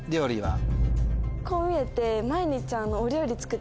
こう見えて。